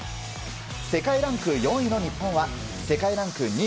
世界ランク４位の日本は世界ランク２位